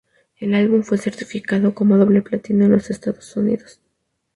El álbum fue certificado como doble platino en los Estados Unidos.